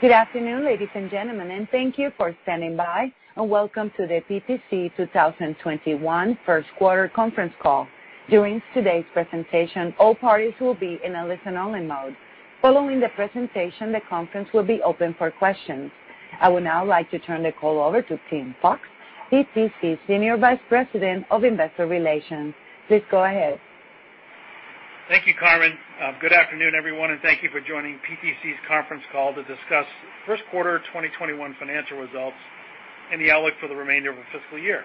Good afternoon, ladies and gentlemen, and thank you for standing by, and welcome to the PTC 2021 first quarter conference call. During today's presentation, all parties will be in a listen-only mode. Following the presentation, the conference will be open for questions. I would now like to turn the call over to Tim Fox, PTC Senior Vice President of Investor Relations. Please go ahead. Thank you, Carmen. Good afternoon, everyone, and thank you for joining PTC's conference call to discuss first quarter 2021 financial results and the outlook for the remainder of the fiscal year.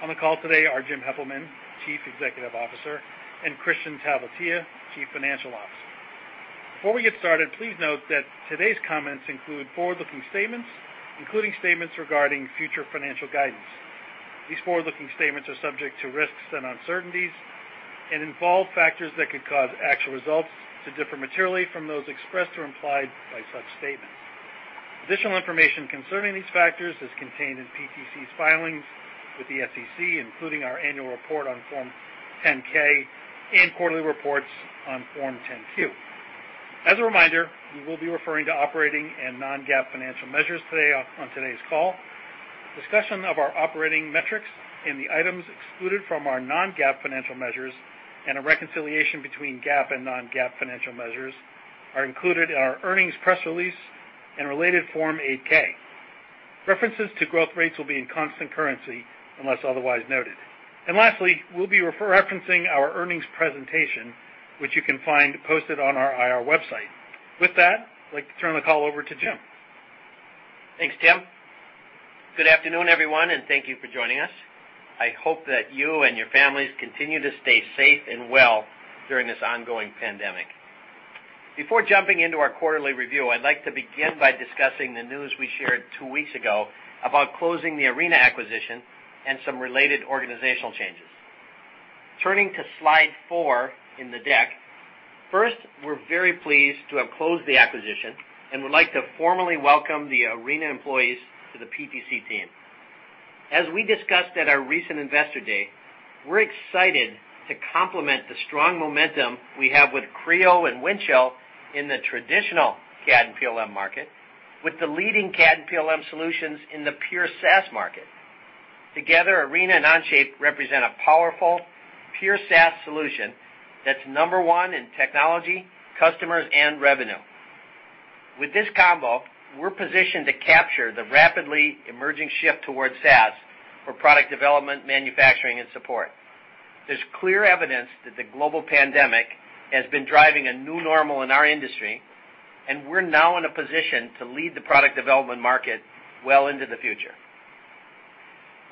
On the call today are Jim Heppelmann, Chief Executive Officer, and Kristian Talvitie, Chief Financial Officer. Before we get started, please note that today's comments include forward-looking statements, including statements regarding future financial guidance. These forward-looking statements are subject to risks and uncertainties and involve factors that could cause actual results to differ materially from those expressed or implied by such statements. Additional information concerning these factors is contained in PTC's filings with the SEC, including our annual report on Form 10-K and quarterly reports on Form 10-Q. As a reminder, we will be referring to operating and non-GAAP financial measures today on today's call. Discussion of our operating metrics in the items excluded from our non-GAAP financial measures and a reconciliation between GAAP and non-GAAP financial measures are included in our earnings press release and related Form 8-K. References to growth rates will be in constant currency unless otherwise noted. Lastly, we'll be referencing our earnings presentation, which you can find posted on our IR website. With that, I'd like to turn the call over to Jim. Thanks, Tim. Good afternoon, everyone, and thank you for joining us. I hope that you and your families continue to stay safe and well during this ongoing pandemic. Before jumping into our quarterly review, I'd like to begin by discussing the news we shared two weeks ago about closing the Arena acquisition and some related organizational changes. Turning to slide four in the deck, first, we're very pleased to have closed the acquisition and would like to formally welcome the Arena employees to the PTC team. As we discussed at our recent Investor Day, we're excited to complement the strong momentum we have with Creo and Windchill in the traditional CAD and PLM market with the leading CAD and PLM solutions in the pure SaaS market. Together, Arena and Onshape represent a powerful, pure SaaS solution that's number one in technology, customers, and revenue. With this combo, we're positioned to capture the rapidly emerging shift towards SaaS for product development, manufacturing, and support. There's clear evidence that the global pandemic has been driving a new normal in our industry, and we're now in a position to lead the product development market well into the future.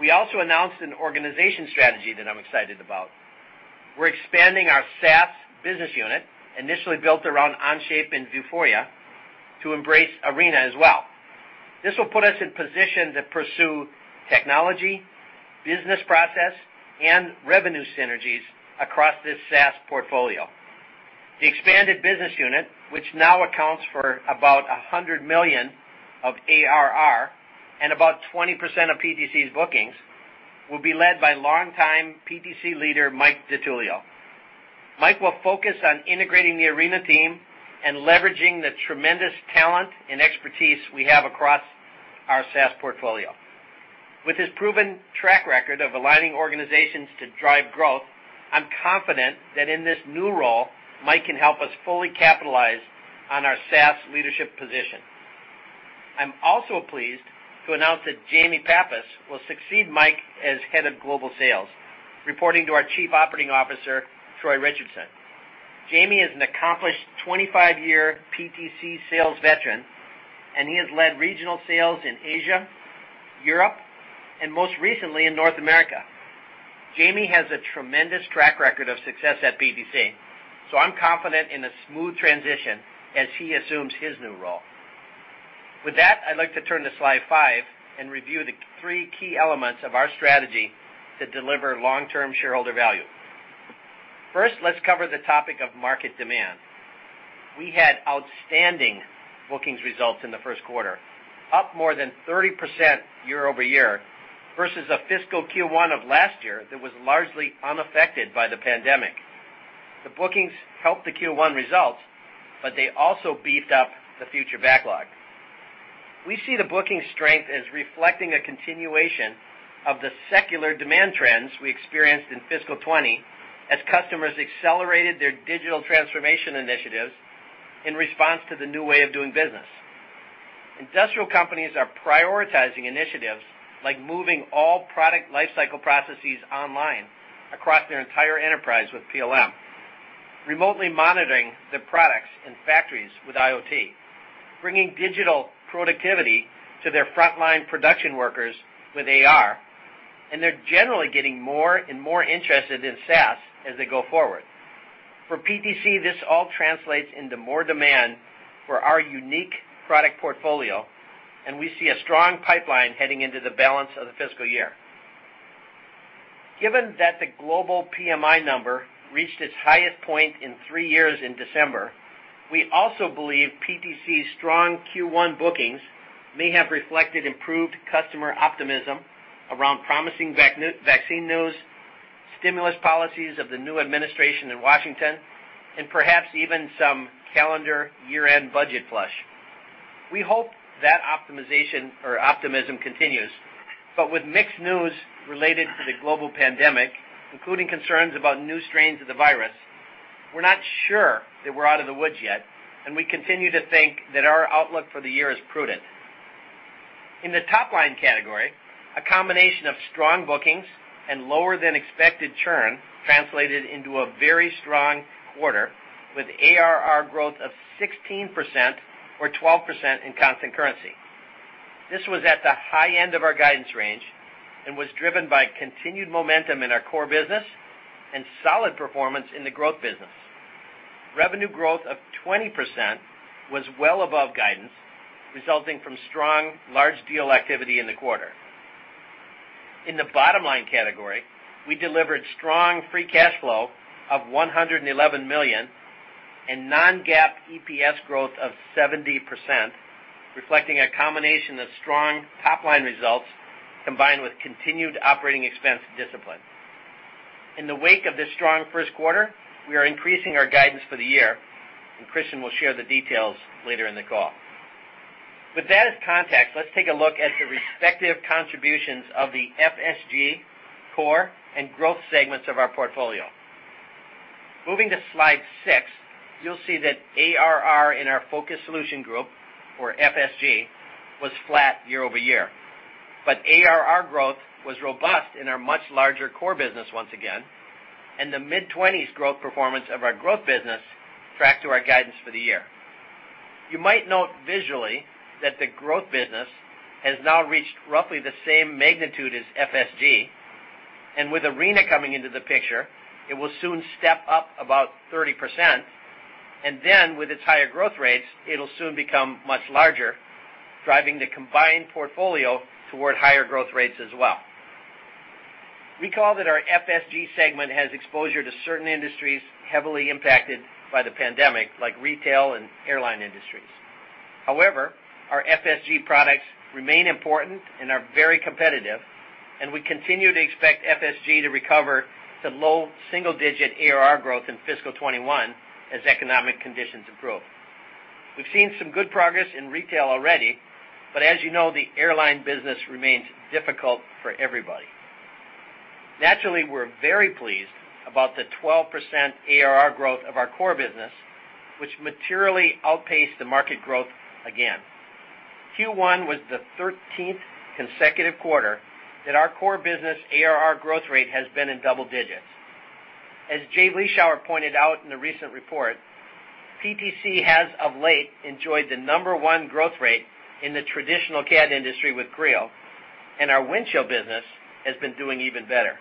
We also announced an organization strategy that I'm excited about. We're expanding our SaaS business unit, initially built around Onshape and Vuforia, to embrace Arena as well. This will put us in position to pursue technology, business process, and revenue synergies across this SaaS portfolio. The expanded business unit, which now accounts for about $100 million of ARR and about 20% of PTC's bookings, will be led by longtime PTC leader, Mike DiTullio. Mike will focus on integrating the Arena team and leveraging the tremendous talent and expertise we have across our SaaS portfolio. With his proven track record of aligning organizations to drive growth, I'm confident that in this new role, Mike can help us fully capitalize on our SaaS leadership position. I'm also pleased to announce that Jamie Pappas will succeed Mike as Head of Global Sales, reporting to our Chief Operating Officer, Troy Richardson. Jamie is an accomplished 25-year PTC sales veteran. He has led regional sales in Asia, Europe, and most recently in North America. Jamie has a tremendous track record of success at PTC. I'm confident in a smooth transition as he assumes his new role. With that, I'd like to turn to slide five and review the three key elements of our strategy to deliver long-term shareholder value. First, let's cover the topic of market demand. We had outstanding bookings results in the first quarter, up more than 30% year-over-year versus a fiscal Q1 of last year that was largely unaffected by the pandemic. The bookings helped the Q1 results, but they also beefed up the future backlog. We see the booking strength as reflecting a continuation of the secular demand trends we experienced in fiscal 2020 as customers accelerated their digital transformation initiatives in response to the new way of doing business. Industrial companies are prioritizing initiatives like moving all product lifecycle processes online across their entire enterprise with PLM, remotely monitoring the products and factories with IoT, bringing digital productivity to their frontline production workers with AR, and they're generally getting more and more interested in SaaS as they go forward. For PTC, this all translates into more demand for our unique product portfolio, and we see a strong pipeline heading into the balance of the fiscal year. Given that the global PMI number reached its highest point in three years in December, we also believe PTC's strong Q1 bookings may have reflected improved customer optimism around promising vaccine news, stimulus policies of the new administration in Washington, and perhaps even some calendar year-end budget flush. We hope that optimism or optimism continues. With mixed news related to the global pandemic, including concerns about new strains of the virus, we're not sure that we're out of the woods yet, and we continue to think that our outlook for the year is prudent. In the top-line category, a combination of strong bookings and lower-than-expected churn translated into a very strong quarter, with ARR growth of 16%, or 12% in constant currency. This was at the high end of our guidance range and was driven by continued momentum in our core business and solid performance in the growth business. Revenue growth of 20% was well above guidance, resulting from strong large deal activity in the quarter. In the bottom-line category, we delivered strong free cash flow of $111 million and non-GAAP EPS growth of 70%, reflecting a combination of strong top-line results combined with continued operating expense discipline. In the wake of this strong first quarter, we are increasing our guidance for the year, and Kristian will share the details later in the call. With that as context, let's take a look at the respective contributions of the FSG, core, and growth segments of our portfolio. Moving to slide six, you'll see that ARR in our Focused Solution Group, or FSG, was flat year-over-year. ARR growth was robust in our much larger core business once again, and the mid-20s growth performance of our growth business tracked to our guidance for the year. You might note visually that the growth business has now reached roughly the same magnitude as FSG, and with Arena coming into the picture, it will soon step up about 30%. With its higher growth rates, it'll soon become much larger, driving the combined portfolio toward higher growth rates as well. Recall that our FSG segment has exposure to certain industries heavily impacted by the pandemic, like retail and airline industries. However, our FSG products remain important and are very competitive, and we continue to expect FSG to recover to low single-digit ARR growth in fiscal 2021 as economic conditions improve. We've seen some good progress in retail already, as you know, the airline business remains difficult for everybody. Naturally, we're very pleased about the 12% ARR growth of our core business, which materially outpaced the market growth again. Q1 was the 13th consecutive quarter that our core business ARR growth rate has been in double digits. As Jay Vleeschhouwer pointed out in the recent report, PTC has of late enjoyed the number one growth rate in the traditional CAD industry with Creo, and our Windchill business has been doing even better.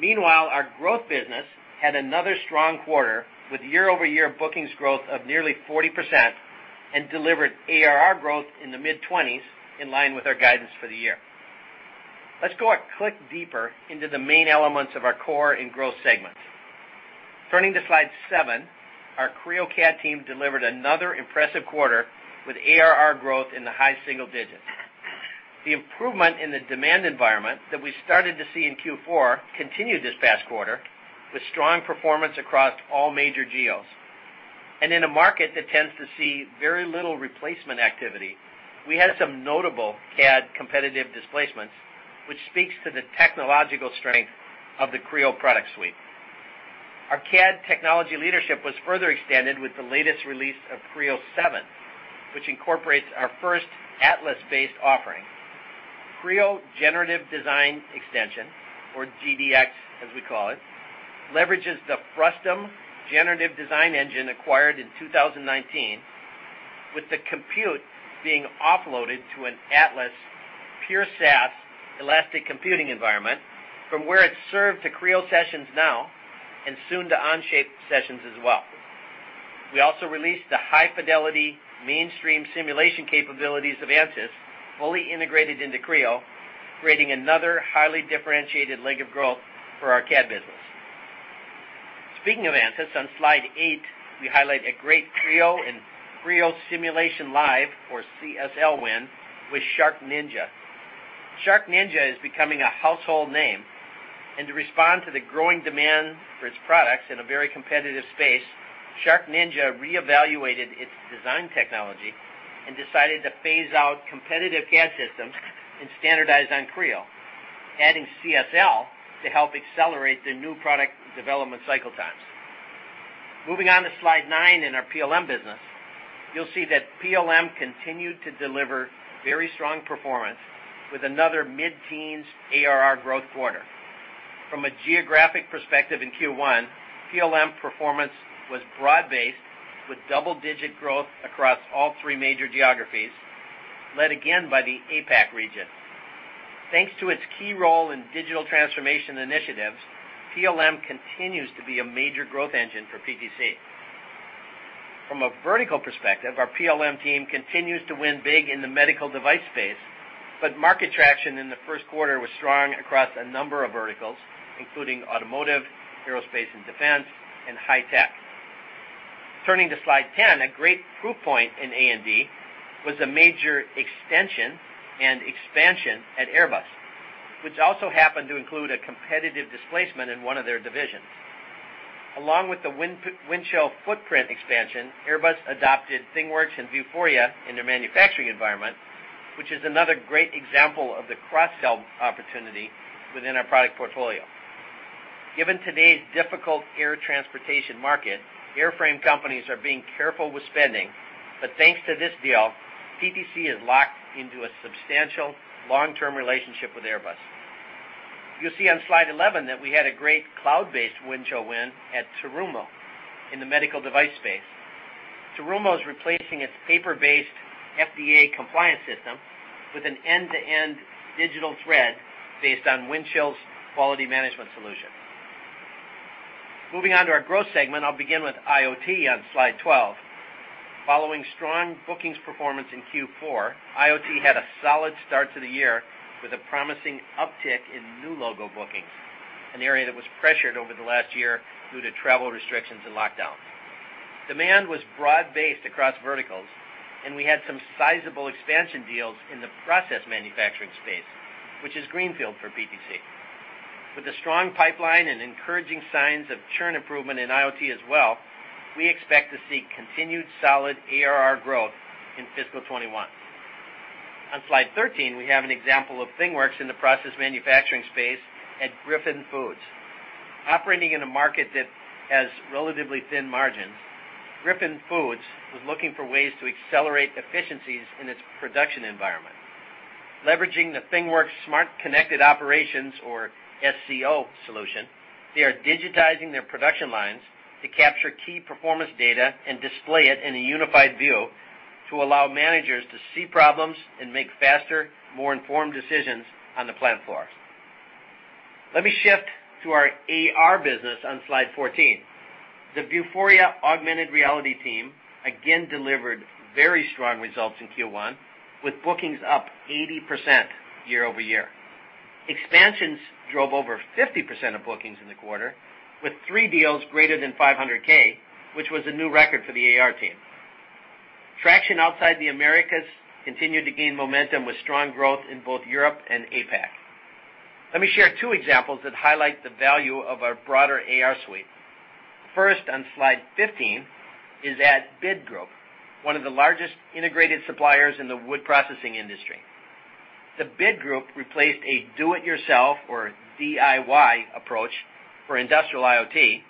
Meanwhile, our growth business had another strong quarter with year-over-year bookings growth of nearly 40% and delivered ARR growth in the mid-20s, in line with our guidance for the year. Let's go a click deeper into the main elements of our core and growth segments. Turning to slide seven, our Creo CAD team delivered another impressive quarter with ARR growth in the high single digits. The improvement in the demand environment that we started to see in Q4 continued this past quarter, with strong performance across all major geos. In a market that tends to see very little replacement activity, we had some notable CAD competitive displacements, which speaks to the technological strength of the Creo product suite. Our CAD technology leadership was further extended with the latest release of Creo 7, which incorporates our first Atlas-based offering. Creo Generative Design Extension, or GDX, as we call it, leverages the Frustum generative design engine acquired in 2019, with the compute being offloaded to an Atlas pure SaaS elastic computing environment from where it's served to Creo sessions now and soon to Onshape sessions as well. We also released the high-fidelity mainstream simulation capabilities of Ansys, fully integrated into Creo, creating another highly differentiated leg of growth for our CAD business. Speaking of Ansys, on slide eight, we highlight a great Creo and Creo Simulation Live, or CSL, win with SharkNinja. SharkNinja is becoming a household name, and to respond to the growing demand for its products in a very competitive space, SharkNinja reevaluated its design technology and decided to phase out competitive CAD systems and standardize on Creo, adding CSL to help accelerate the new product development cycle times. Moving on to slide nine in our PLM business, you'll see that PLM continued to deliver very strong performance with another mid-teens ARR growth quarter. From a geographic perspective in Q1, PLM performance was broad-based, with double-digit growth across all three major geographies, led again by the APAC region. Thanks to its key role in digital transformation initiatives, PLM continues to be a major growth engine for PTC. From a vertical perspective, our PLM team continues to win big in the medical device space, but market traction in the first quarter was strong across a number of verticals, including automotive, aerospace and defense, and high tech. Turning to slide 10, a great proof point in A&D was a major extension and expansion at Airbus, which also happened to include a competitive displacement in one of their divisions. Along with the Windchill footprint expansion, Airbus adopted ThingWorx and Vuforia in their manufacturing environment, which is another great example of the cross-sell opportunity within our product portfolio. Given today's difficult air transportation market, airframe companies are being careful with spending. Thanks to this deal, PTC is locked into a substantial long-term relationship with Airbus. You'll see on slide 11 that we had a great cloud-based Windchill win at Terumo in the medical device space. Terumo is replacing its paper-based FDA compliance system with an end-to-end digital thread based on Windchill's quality management solution. Moving on to our growth segment, I'll begin with IoT on slide 12. Following strong bookings performance in Q4, IoT had a solid start to the year with a promising uptick in new logo bookings, an area that was pressured over the last year due to travel restrictions and lockdowns. Demand was broad-based across verticals, and we had some sizable expansion deals in the process manufacturing space, which is greenfield for PTC. With a strong pipeline and encouraging signs of churn improvement in IoT as well, we expect to see continued solid ARR growth in fiscal 2021. On slide 13, we have an example of ThingWorx in the process manufacturing space at Griffith Foods. Operating in a market that has relatively thin margins, Griffith Foods was looking for ways to accelerate efficiencies in its production environment. Leveraging the ThingWorx Smart Connected Operations or SCO solution, they are digitizing their production lines to capture key performance data and display it in a unified view to allow managers to see problems and make faster, more informed decisions on the plant floor. Let me shift to our AR business on slide 14. The Vuforia augmented reality team again delivered very strong results in Q1, with bookings up 80% year-over-year. Expansions drove over 50% of bookings in the quarter, with three deals greater than $500,000, which was a new record for the AR team. Traction outside the Americas continued to gain momentum with strong growth in both Europe and APAC. Let me share two examples that highlight the value of our broader AR suite. First, on slide 15, is at BID Group, one of the largest integrated suppliers in the wood processing industry. The BID Group replaced a do-it-yourself or DIY approach for industrial IoT, and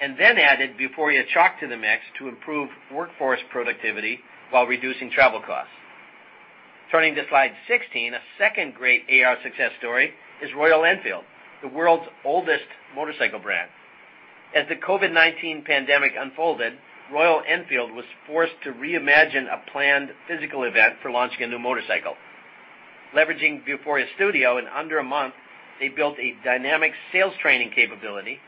then added Vuforia Chalk to the mix to improve workforce productivity while reducing travel costs. Turning to slide 16, a second great AR success story is Royal Enfield, the world's oldest motorcycle brand. As the COVID-19 pandemic unfolded, Royal Enfield was forced to reimagine a planned physical event for launching a new motorcycle. Leveraging Vuforia Studio, in under a month, they built a dynamic sales training capability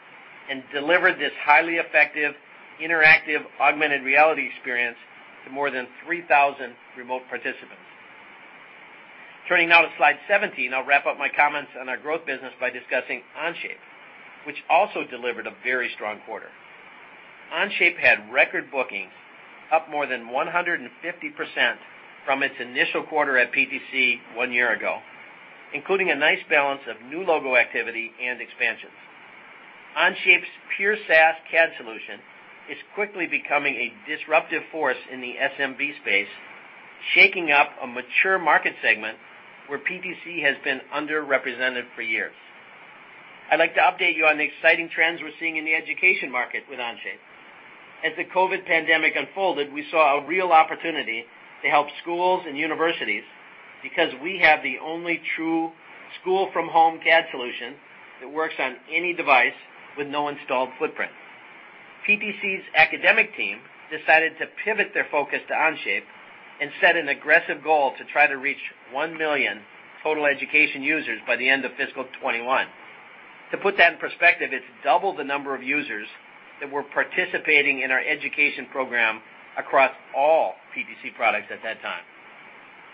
and delivered this highly effective interactive augmented reality experience to more than 3,000 remote participants. Turning now to slide 17, I'll wrap up my comments on our growth business by discussing Onshape, which also delivered a very strong quarter. Onshape had record bookings up more than 150% from its initial quarter at PTC one year ago, including a nice balance of new logo activity and expansions. Onshape's pure SaaS CAD solution is quickly becoming a disruptive force in the SMB space, shaking up a mature market segment where PTC has been underrepresented for years. I'd like to update you on the exciting trends we're seeing in the education market with Onshape. As the COVID pandemic unfolded, we saw a real opportunity to help schools and universities because we have the only true school-from-home CAD solution that works on any device with no installed footprint. PTC's academic team decided to pivot their focus to Onshape and set an aggressive goal to try to reach 1 million total education users by the end of fiscal 2021. To put that in perspective, it's double the number of users that were participating in our education program across all PTC products at that time.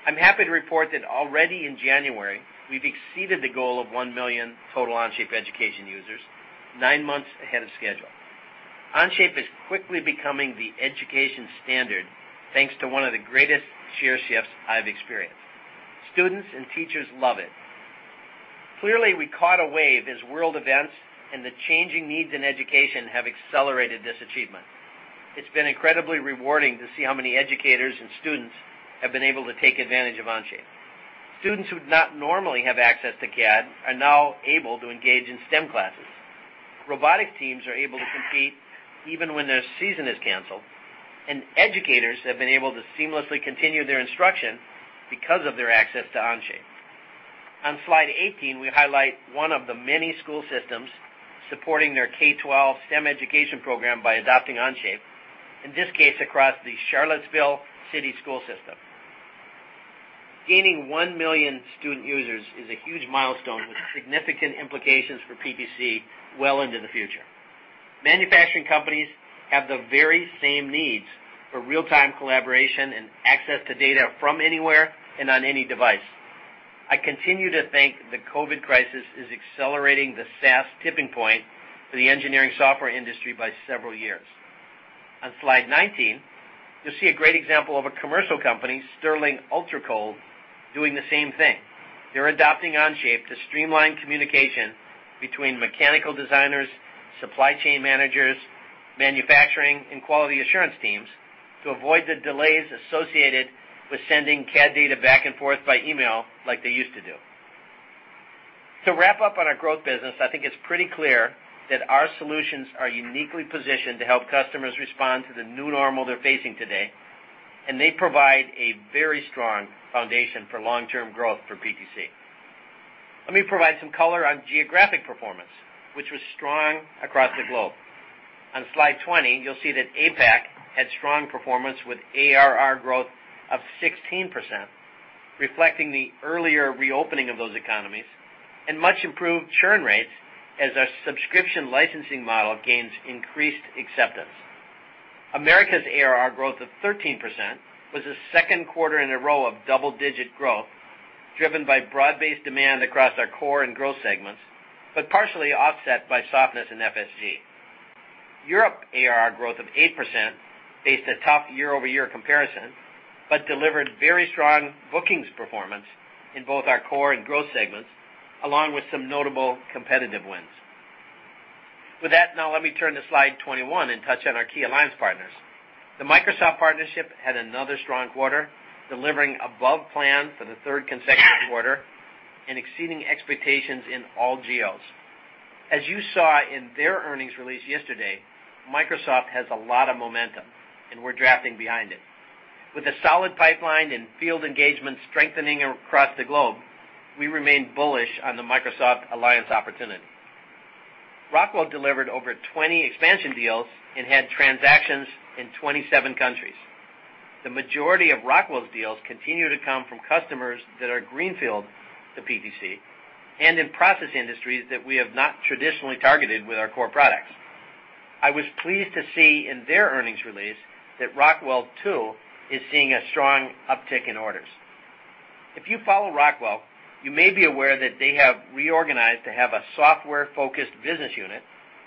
I'm happy to report that already in January, we've exceeded the goal of 1 million total Onshape education users, nine months ahead of schedule. Onshape is quickly becoming the education standard, thanks to one of the greatest share shifts I've experienced. Students and teachers love it. Clearly, we caught a wave as world events and the changing needs in education have accelerated this achievement. It's been incredibly rewarding to see how many educators and students have been able to take advantage of Onshape. Students who would not normally have access to CAD are now able to engage in STEM classes. Robotic teams are able to compete even when their season is canceled, and educators have been able to seamlessly continue their instruction because of their access to Onshape. On slide 18, we highlight one of the many school systems supporting their K12 STEM education program by adopting Onshape, in this case, across the Charlottesville City school system. Gaining 1 million student users is a huge milestone with significant implications for PTC well into the future. Manufacturing companies have the very same needs for real-time collaboration and access to data from anywhere and on any device. I continue to think the COVID crisis is accelerating the SaaS tipping point for the engineering software industry by several years. On slide 19, you'll see a great example of a commercial company, Stirling Ultracold, doing the same thing. They're adopting Onshape to streamline communication between mechanical designers, supply chain managers, manufacturing, and quality assurance teams to avoid the delays associated with sending CAD data back and forth by email like they used to do. To wrap up on our growth business, I think it's pretty clear that our solutions are uniquely positioned to help customers respond to the new normal they're facing today, and they provide a very strong foundation for long-term growth for PTC. Let me provide some color on geographic performance, which was strong across the globe. On slide 20, you'll see that APAC had strong performance with ARR growth of 16%, reflecting the earlier reopening of those economies and much improved churn rates as our subscription licensing model gains increased acceptance. Americas ARR growth of 13% was the second quarter in a row of double-digit growth, driven by broad-based demand across our core and growth segments, but partially offset by softness in FSG. Europe ARR growth of 8% faced a tough year-over-year comparison, but delivered very strong bookings performance in both our core and growth segments, along with some notable competitive wins. With that, now let me turn to slide 21 and touch on our key alliance partners. The Microsoft partnership had another strong quarter, delivering above plan for the third consecutive quarter and exceeding expectations in all geos. As you saw in their earnings release yesterday, Microsoft has a lot of momentum, and we're drafting behind it. With a solid pipeline and field engagement strengthening across the globe, we remain bullish on the Microsoft alliance opportunity. Rockwell delivered over 20 expansion deals and had transactions in 27 countries. The majority of Rockwell's deals continue to come from customers that are greenfield to PTC and in process industries that we have not traditionally targeted with our core products. I was pleased to see in their earnings release that Rockwell, too, is seeing a strong uptick in orders. If you follow Rockwell, you may be aware that they have reorganized to have a software-focused business unit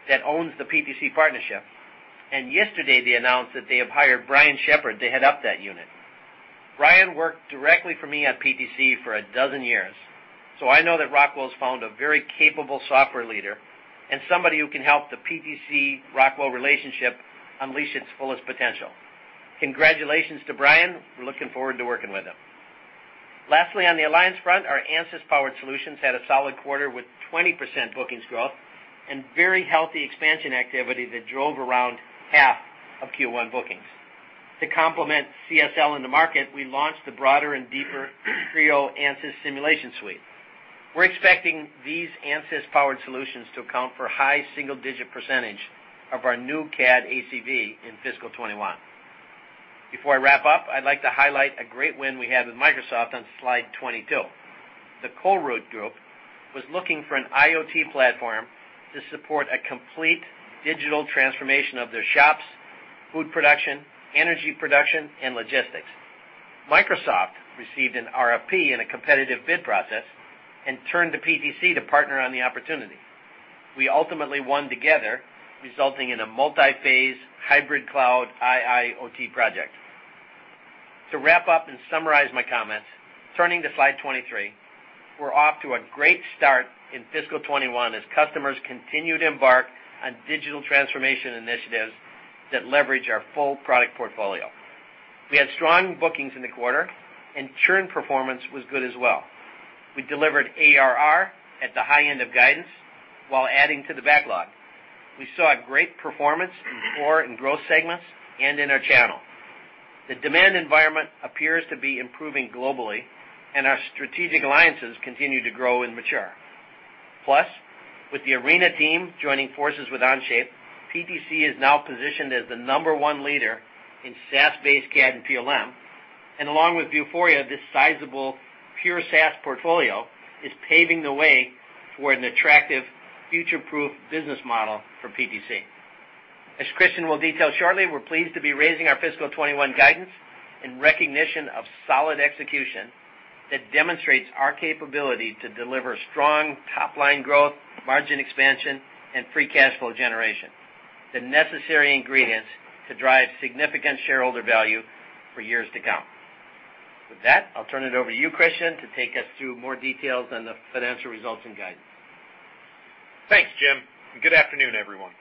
that owns the PTC partnership, and yesterday they announced that they have hired Brian Shepherd to head up that unit. Brian worked directly for me at PTC for a dozen years, so I know that Rockwell's found a very capable software leader and somebody who can help the PTC-Rockwell relationship unleash its fullest potential. Congratulations to Brian. We're looking forward to working with him. Lastly, on the alliance front, our Ansys-powered solutions had a solid quarter with 20% bookings growth and very healthy expansion activity that drove around half of Q1 bookings. To complement CSL in the market, we launched the broader and deeper Creo Ansys Simulation Suite. We're expecting these Ansys-powered solutions to account for high single-digit percentage of our new CAD ACV in fiscal 2021. Before I wrap up, I'd like to highlight a great win we had with Microsoft on slide 22. The Colruyt Group was looking for an IoT platform to support a complete digital transformation of their shops, food production, energy production, and logistics. Microsoft received an RFP in a competitive bid process and turned to PTC to partner on the opportunity. We ultimately won together, resulting in a multi-phase hybrid cloud IIoT project. To wrap up and summarize my comments, turning to slide 23, we're off to a great start in fiscal 2021 as customers continue to embark on digital transformation initiatives that leverage our full product portfolio. We had strong bookings in the quarter and churn performance was good as well. We delivered ARR at the high end of guidance while adding to the backlog. We saw a great performance in core and growth segments and in our channel. The demand environment appears to be improving globally, and our strategic alliances continue to grow and mature. With the Arena team joining forces with Onshape, PTC is now positioned as the number one leader in SaaS-based CAD and PLM. Along with Vuforia, this sizable pure SaaS portfolio is paving the way for an attractive future-proof business model for PTC. As Kristian will detail shortly, we're pleased to be raising our fiscal 2021 guidance in recognition of solid execution that demonstrates our capability to deliver strong top-line growth, margin expansion, and free cash flow generation, the necessary ingredients to drive significant shareholder value for years to come. With that, I'll turn it over to you, Kristian, to take us through more details on the financial results and guidance. Thanks, Jim. Good afternoon, everyone.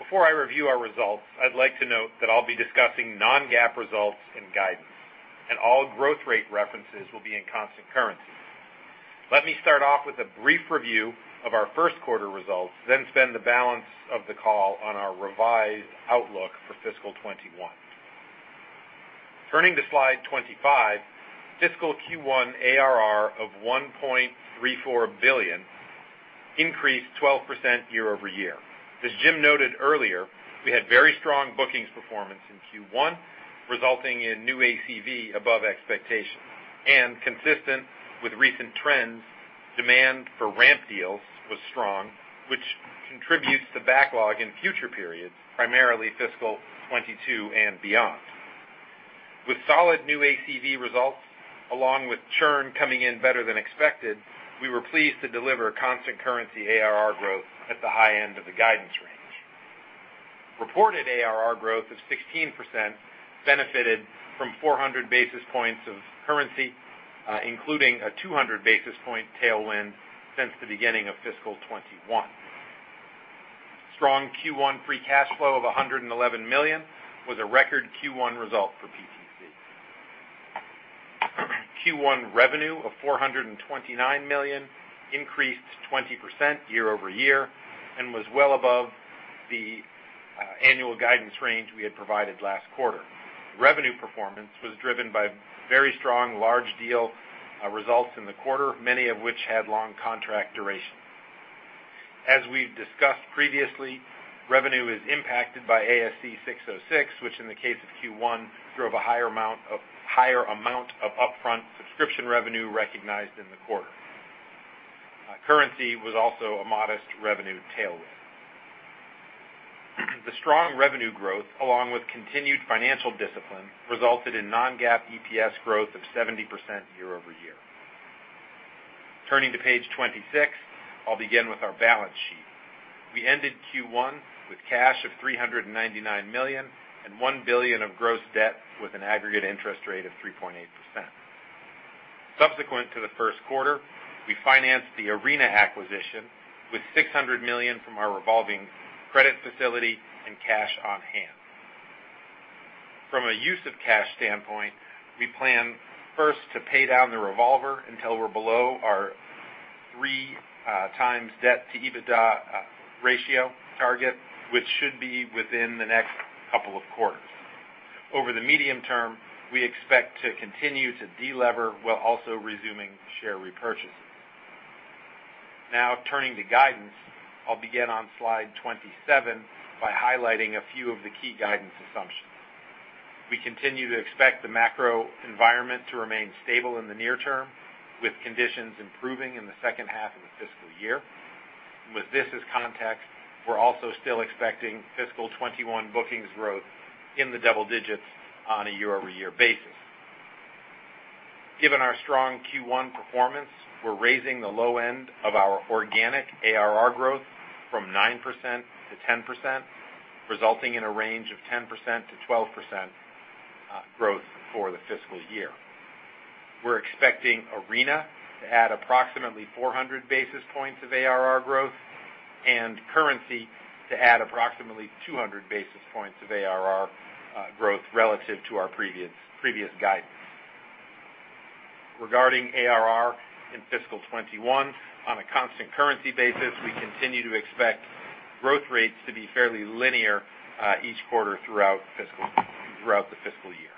Before I review our results, I'd like to note that I'll be discussing non-GAAP results and guidance, and all growth rate references will be in constant currency. Let me start off with a brief review of our first quarter results, then spend the balance of the call on our revised outlook for fiscal 2021. Turning to slide 25, fiscal Q1 ARR of $1.34 billion increased 12% year-over-year. As Jim noted earlier, we had very strong bookings performance in Q1, resulting in new ACV above expectations. Consistent with recent trends, demand for ramp deals was strong, which contributes to backlog in future periods, primarily fiscal 2022 and beyond. With solid new ACV results, along with churn coming in better than expected, we were pleased to deliver constant currency ARR growth at the high end of the guidance range. Reported ARR growth of 16% benefited from 400 basis points of currency, including a 200 basis point tailwind since the beginning of fiscal 2021. Strong Q1 free cash flow of $111 million was a record Q1 result for PTC. Q1 revenue of $429 million increased 20% year-over-year and was well above the annual guidance range we had provided last quarter. Revenue performance was driven by very strong large deal results in the quarter, many of which had long contract duration. As we've discussed previously, revenue is impacted by ASC 606, which in the case of Q1, drove a higher amount of upfront subscription revenue recognized in the quarter. Currency was also a modest revenue tailwind. The strong revenue growth, along with continued financial discipline, resulted in non-GAAP EPS growth of 70% year-over-year. Turning to page 26, I'll begin with our balance sheet. We ended Q1 with cash of $399 million and $1 billion of gross debt with an aggregate interest rate of 3.8%. Subsequent to the first quarter, we financed the Arena acquisition with $600 million from our revolving credit facility and cash on-hand. From a use of cash standpoint, we plan first to pay down the revolver until we're below our 3x debt to EBITDA ratio target, which should be within the next couple of quarters. Over the medium term, we expect to continue to de-lever while also resuming share repurchases. Turning to guidance, I'll begin on slide 27 by highlighting a few of the key guidance assumptions. We continue to expect the macro environment to remain stable in the near term, with conditions improving in the second half of the fiscal year. With this as context, we're also still expecting fiscal 2021 bookings growth in the double digits on a year-over-year basis. Given our strong Q1 performance, we're raising the low end of our organic ARR growth from 9%-10%, resulting in a range of 10%-12% growth for the fiscal year. We're expecting Arena to add approximately 400 basis points of ARR growth and currency to add approximately 200 basis points of ARR growth relative to our previous guidance. Regarding ARR in fiscal 2021, on a constant currency basis, we continue to expect growth rates to be fairly linear each quarter throughout the fiscal year.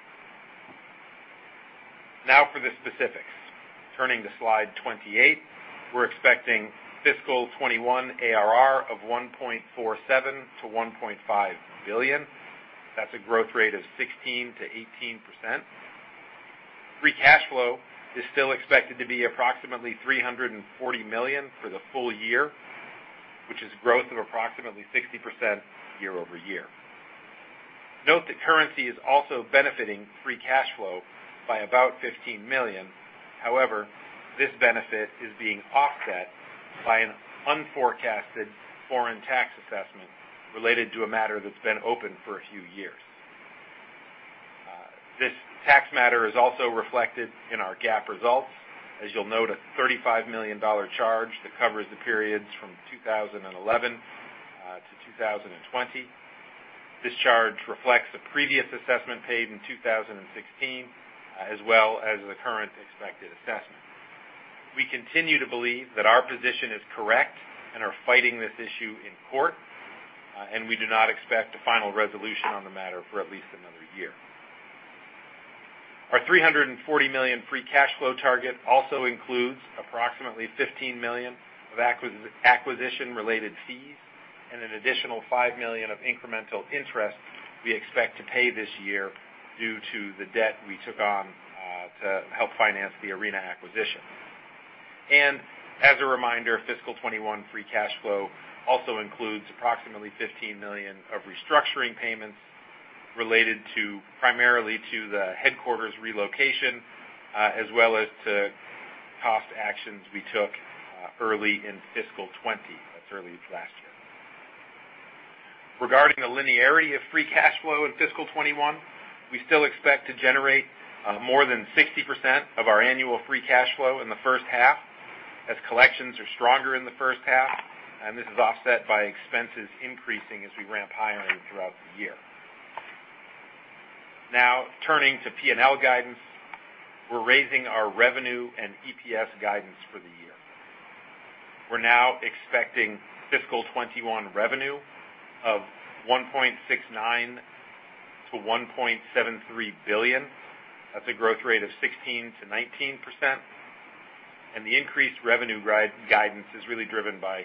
For the specifics. Turning to slide 28, we're expecting fiscal 2021 ARR of $1.47 billion-$1.5 billion. That's a growth rate of 16%-18%. Free cash flow is still expected to be approximately $340 million for the full year, which is growth of approximately 60% year-over-year. Note that currency is also benefiting free cash flow by about $15 million. This benefit is being offset by an unforecasted foreign tax assessment related to a matter that's been open for a few years. This tax matter is also reflected in our GAAP results, as you'll note a $35 million charge that covers the periods from 2011 to 2020. This charge reflects the previous assessment paid in 2016, as well as the current expected assessment. We continue to believe that our position is correct and are fighting this issue in court, and we do not expect a final resolution on the matter for at least another year. Our $340 million free cash flow target also includes approximately $15 million of acquisition-related fees and an additional $5 million of incremental interest we expect to pay this year due to the debt we took on to help finance the Arena acquisition. As a reminder, fiscal 2021 free cash flow also includes approximately $15 million of restructuring payments related primarily to the headquarters relocation, as well as to cost actions we took early in fiscal 2020. That's early last year. Regarding the linearity of free cash flow in fiscal 2021, we still expect to generate more than 60% of our annual free cash flow in the first half as collections are stronger in the first half, this is offset by expenses increasing as we ramp higher throughout the year. Turning to P&L guidance, we're raising our revenue and EPS guidance for the year. We're now expecting fiscal 2021 revenue of $1.69 billion-$1.73 billion. That's a growth rate of 16%-19%. The increased revenue guidance is really driven by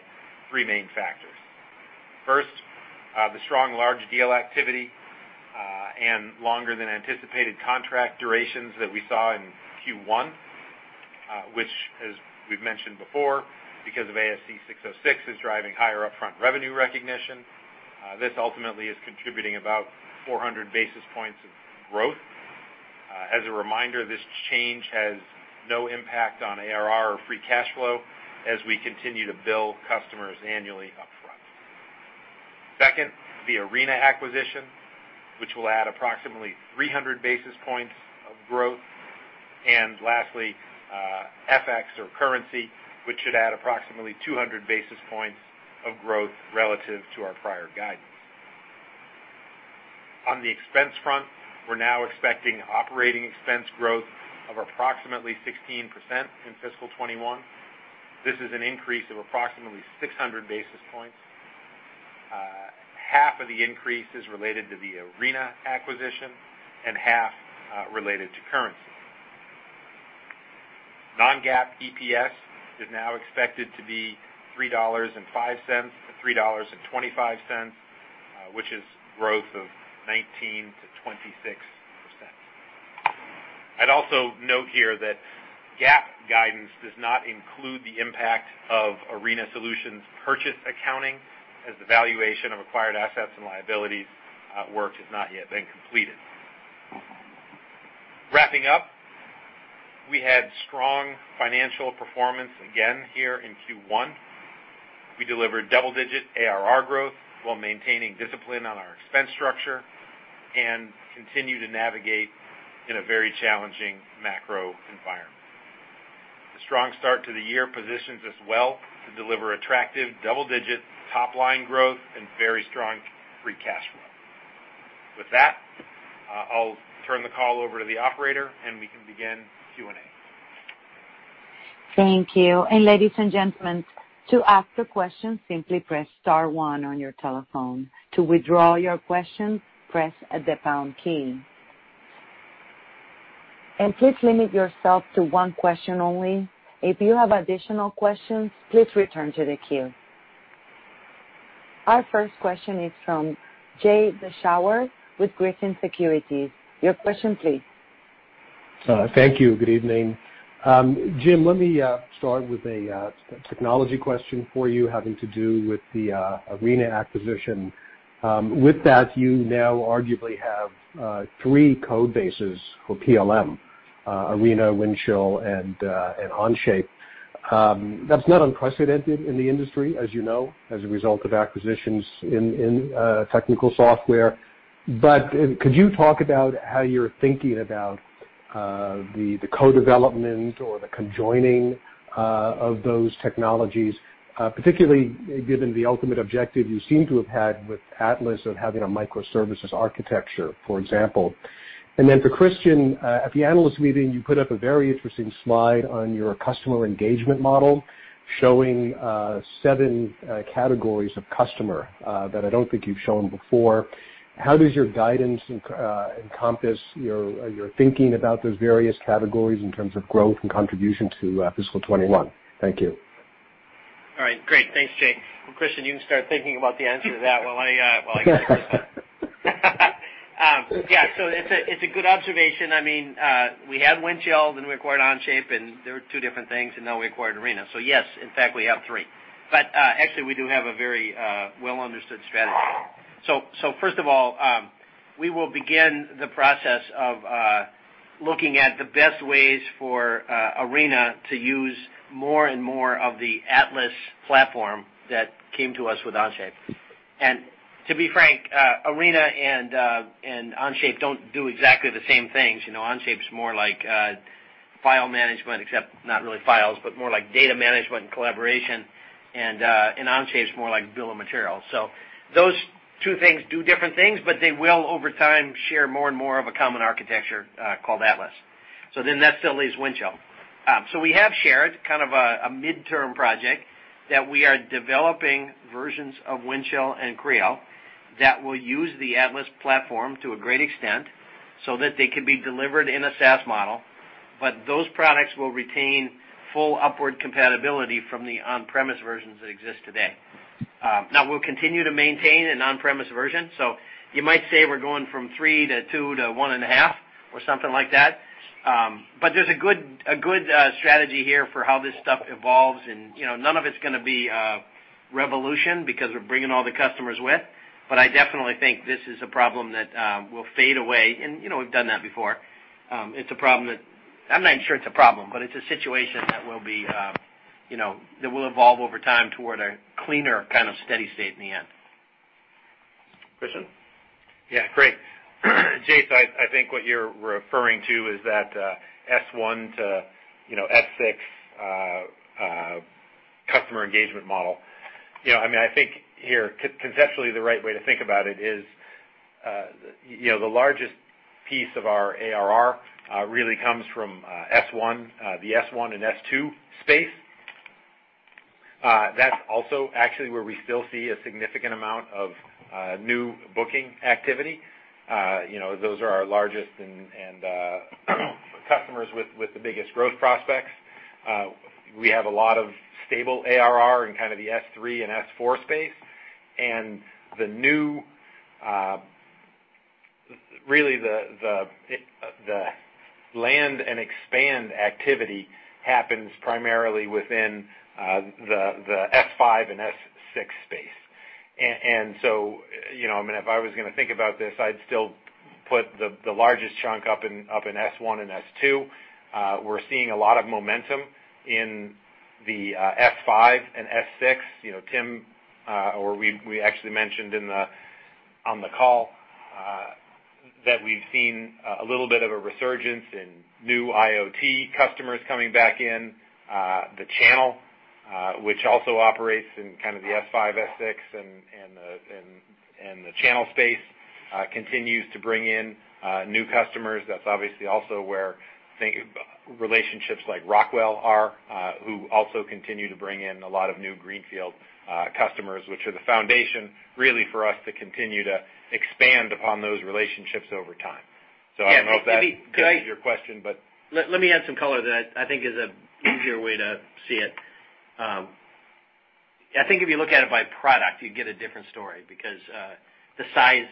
three main factors. First, the strong large deal activity, longer than anticipated contract durations that we saw in Q1, which as we've mentioned before, because of ASC 606, is driving higher upfront revenue recognition. This ultimately is contributing about 400 basis points of growth. As a reminder, this change has no impact on ARR or free cash flow as we continue to bill customers annually upfront. Second, the Arena acquisition, which will add approximately 300 basis points of growth. Lastly, FX or currency, which should add approximately 200 basis points of growth relative to our prior guidance. On the expense front, we're now expecting operating expense growth of approximately 16% in fiscal 2021. This is an increase of approximately 600 basis points. Half of the increase is related to the Arena acquisition and half related to currency. Non-GAAP EPS is now expected to be $3.05-$3.25, which is growth of 19%-26%. I'd also note here that GAAP guidance does not include the impact of Arena Solutions purchase accounting, as the valuation of acquired assets and liabilities at work has not yet been completed. Wrapping up, we had strong financial performance again here in Q1. We delivered double-digit ARR growth while maintaining discipline on our expense structure and continue to navigate in a very challenging macro environment. The strong start to the year positions us well to deliver attractive double-digit top-line growth and very strong free cash flow. With that, I'll turn the call over to the operator and we can begin Q&A. Thank you. Ladies and gentlemen, to ask the question, simply press star one on your telephone. To withdraw your question, press the pound key. Please limit yourself to one question only. If you have additional questions, please return to the queue. Our first question is from Jay Vleeschhouwer with Griffin Securities. Your question please. Thank you. Good evening. Jim, let me start with a technology question for you having to do with the Arena acquisition. With that, you now arguably have three code bases for PLM, Arena, Windchill, and Onshape. That's not unprecedented in the industry, as you know, as a result of acquisitions in technical software. Could you talk about how you're thinking about the co-development or the conjoining of those technologies, particularly given the ultimate objective you seem to have had with Atlas of having a microservices architecture, for example? For Kristian, at the analyst meeting, you put up a very interesting slide on your customer engagement model showing seven categories of customer, that I don't think you've shown before. How does your guidance encompass your thinking about those various categories in terms of growth and contribution to fiscal 2021? Thank you. All right. Great. Thanks, Jay. Well, Kristian, you can start thinking about the answer to that while I get this one. Yeah. It's a good observation. We had Windchill, then we acquired Onshape, and they were two different things, and now we acquired Arena. Yes, in fact, we have three. Actually, we do have a very well-understood strategy. First of all, we will begin the process of looking at the best ways for Arena to use more and more of the Atlas platform that came to us with Onshape. To be frank, Arena and Onshape don't do exactly the same things. Onshape's more like file management, except not really files, but more like data management and collaboration, and Onshape's more like bill of material. Those two things do different things, but they will, over time, share more and more of a common architecture, called Atlas. That still leaves Windchill. We have shared, kind of a midterm project, that we are developing versions of Windchill and Creo that will use the Atlas platform to a great extent so that they could be delivered in a SaaS model, but those products will retain full upward compatibility from the on-premise versions that exist today. Now, we'll continue to maintain an on-premise version, so you might say we're going from three to two to one and a half or something like that. There's a good strategy here for how this stuff evolves and none of it's going to be a revolution because we're bringing all the customers with, but I definitely think this is a problem that will fade away, and we've done that before. I'm not even sure it's a problem, but it's a situation that will evolve over time toward a cleaner, kind of steady state in the end. Kristian? Yeah. Great. Jay, I think what you're referring to is that S1 to S6 customer engagement model. I think here, conceptually, the right way to think about it is, the largest piece of our ARR really comes from the S1 and S2 space. That's also actually where we still see a significant amount of new booking activity. Those are our largest and customers with the biggest growth prospects. We have a lot of stable ARR in kind of the S3 and S4 space, and really the land and expand activity happens primarily within the S5 and S6 space. If I was going to think about this, I'd still put the largest chunk up in S1 and S2. We're seeing a lot of momentum in the S5 and S6. Tim, or we actually mentioned on the call, that we've seen a little bit of a resurgence in new IoT customers coming back in the channel, which also operates in kind of the S5, S6 and the channel space continues to bring in new customers. That's obviously also where relationships like Rockwell are, who also continue to bring in a lot of new greenfield customers, which are the foundation, really, for us to continue to expand upon those relationships over time. I don't know if that answers your question. Let me add some color that I think is an easier way to see it. I think if you look at it by product, you get a different story because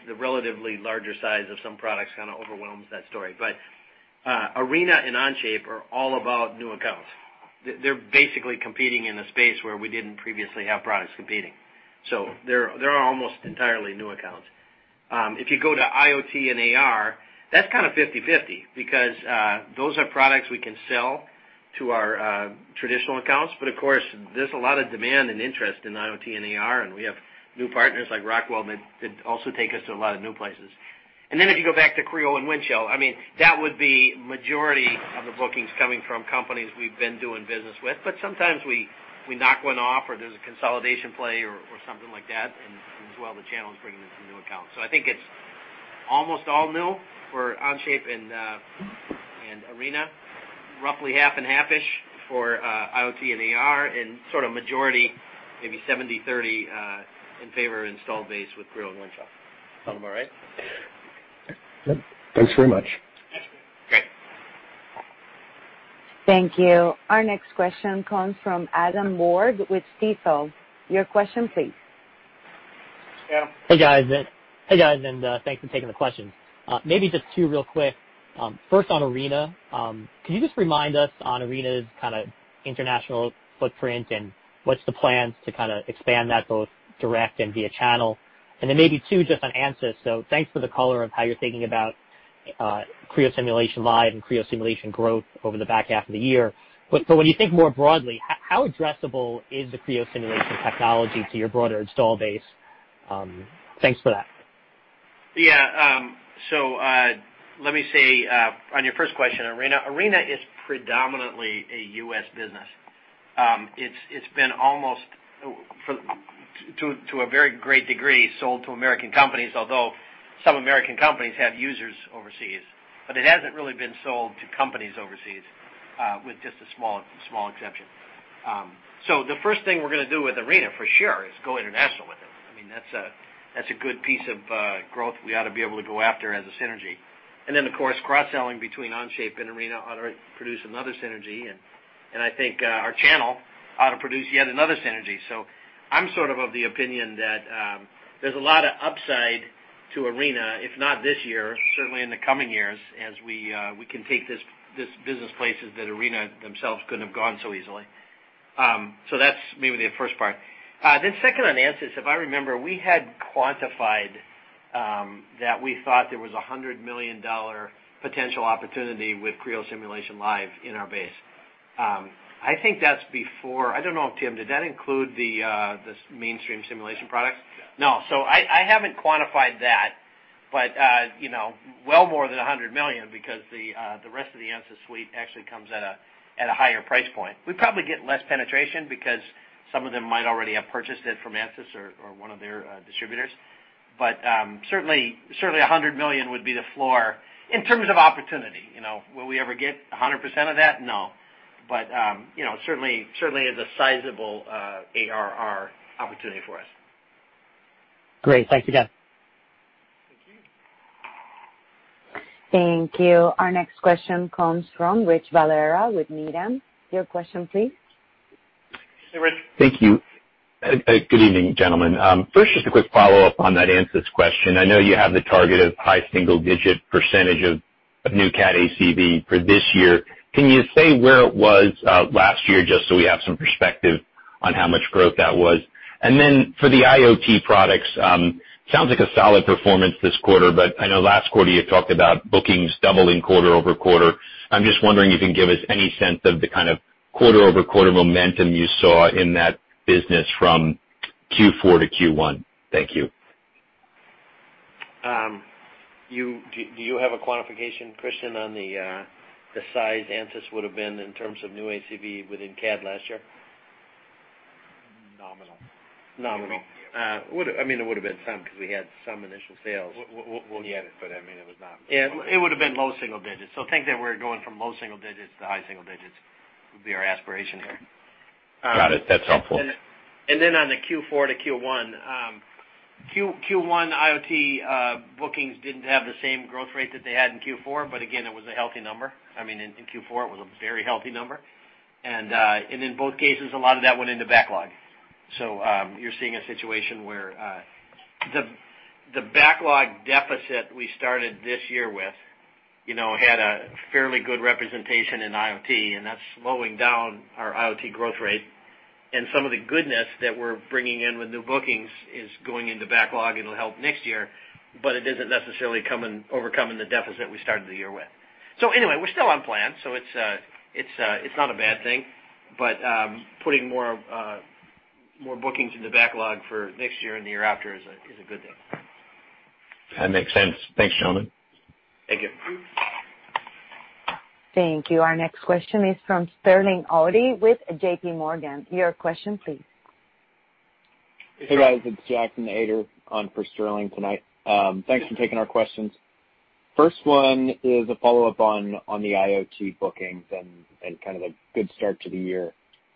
the relatively larger size of some products kind of overwhelms that story. Arena and Onshape are all about new accounts. They're basically competing in a space where we didn't previously have products competing, so they are almost entirely new accounts. If you go to IoT and AR, that's kind of 50/50 because those are products we can sell to our traditional accounts. Of course, there's a lot of demand and interest in IoT and AR, and we have new partners like Rockwell that also take us to a lot of new places. If you go back to Creo and Windchill, that would be majority of the bookings coming from companies we've been doing business with. Sometimes we knock one off, or there's a consolidation play or something like that, and as well, the channel is bringing in some new accounts. I think it's almost all new for Onshape and Arena, roughly half and half-ish for IoT and AR, and sort of majority, maybe 70/30, in favor of install base with Creo and Windchill. Sound about right? Yep. Thanks very much. Thank you. Our next question comes from Adam Borg with Stifel. Your question please. Yeah. Hey, guys. Thanks for taking the questions. Maybe just two real quick. First on Arena, can you just remind us on Arena's kind of international footprint and what's the plans to kind of expand that both direct and via channel? Maybe two, just on Ansys. Thanks for the color of how you're thinking about Creo Simulation Live and Creo simulation growth over the back half of the year. When you think more broadly, how addressable is the Creo simulation technology to your broader install base? Thanks for that. Yeah. Let me say, on your first question, Arena. Arena is predominantly a U.S. business. It's been almost, to a very great degree, sold to American companies, although some American companies have users overseas. It hasn't really been sold to companies overseas, with just a small exception. The first thing we're going to do with Arena, for sure, is go international with it. That's a good piece of growth we ought to be able to go after as a synergy. Of course, cross-selling between Onshape and Arena ought to produce another synergy, and I think our channel ought to produce yet another synergy. I'm sort of of the opinion that there's a lot of upside to Arena, if not this year, certainly in the coming years as we can take this business places that Arena themselves couldn't have gone so easily. That's maybe the first part. Second on Ansys, if I remember, we had quantified that we thought there was $100 million potential opportunity with Creo Simulation Live in our base. I think that's before I don't know, Tim, did that include this mainstream simulation product? Yeah. No. I haven't quantified that, but well more than $100 million because the rest of the Ansys suite actually comes at a higher price point. We probably get less penetration because some of them might already have purchased it from Ansys or one of their distributors. Certainly $100 million would be the floor in terms of opportunity. Will we ever get 100% of that? No. Certainly is a sizable ARR opportunity for us. Great. Thanks again. Thank you. Our next question comes from Rich Valera with Needham. Your question please. Hey, Rich. Thank you. Good evening, gentlemen. First, just a quick follow-up on that Ansys question. I know you have the target of high single-digit percentage of new CAD ACV for this year. Can you say where it was last year, just so we have some perspective on how much growth that was? For the IoT products, sounds like a solid performance this quarter. I know last quarter you talked about bookings doubling quarter-over-quarter. I'm just wondering if you can give us any sense of the kind of quarter-over-quarter momentum you saw in that business from Q4 to Q1. Thank you. Do you have a quantification, Kristian, on the size Ansys would've been in terms of new ACV within CAD last year? Nominal. Nominal. It would've been some because we had some initial sales. We had it, but it was not. It would've been low single digits. Think that we're going from low single digits to high single digits, would be our aspiration here. Got it. That's helpful. On the Q4 to Q1. Q1 IoT bookings didn't have the same growth rate that they had in Q4. Again, it was a healthy number. I mean, in Q4 it was a very healthy number. In both cases, a lot of that went into backlog. You're seeing a situation where the backlog deficit we started this year with had a fairly good representation in IoT, and that's slowing down our IoT growth rate. Some of the goodness that we're bringing in with new bookings is going into backlog. It'll help next year, but it isn't necessarily overcoming the deficit we started the year with. Anyway, we're still on plan, so it's not a bad thing, but putting more bookings into backlog for next year and the year after is a good thing. That makes sense. Thanks, gentlemen. Thank you. Thank you. Our next question is from Sterling Auty with J.P. Morgan. Your question please. Hey, guys. It's Jack Ader on for Sterling tonight. Thanks for taking our questions. First one is a follow-up on the IoT bookings and kind of a good start to the year.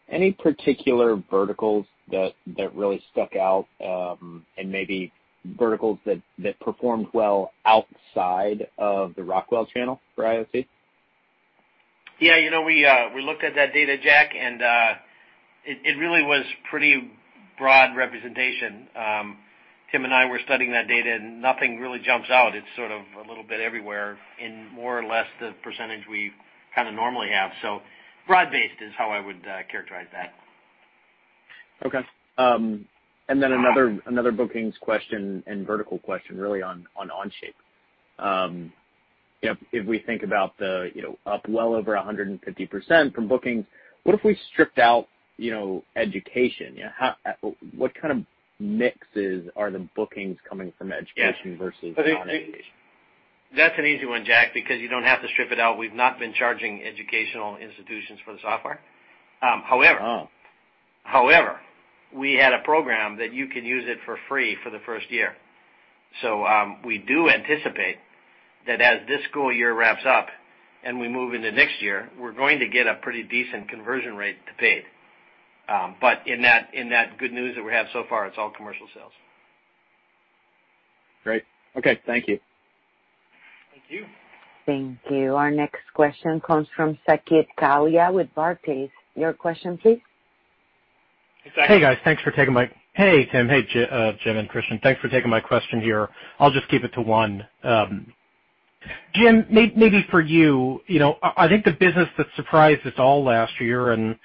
Any particular verticals that really stuck out, and maybe verticals that performed well outside of the Rockwell channel for IoT? Yeah. We looked at that data, Jack. It really was pretty broad representation. Tim and I were studying that data. Nothing really jumps out. It's sort of a little bit everywhere in more or less the percentage we kind of normally have. Broad-based is how I would characterize that. Okay. Another bookings question and vertical question really on Onshape. If we think about the up well over 150% from bookings, what if we stripped out education? What kind of mixes are the bookings coming from education versus non-education? That's an easy one, Jack, because you don't have to strip it out. We've not been charging educational institutions for the software. Oh. We had a program that you can use it for free for the first year. We do anticipate that as this school year wraps up and we move into next year, we're going to get a pretty decent conversion rate to paid. In that good news that we have so far, it's all commercial sales. Great. Okay. Thank you. Thank you. Thank you. Our next question comes from Saket Kalia with Barclays. Your question please. Hey, Tim. Hey, Jim and Kristian. Thanks for taking my question here. I'll just keep it to one. Jim, maybe for you. I think the business that surprised us all last year, I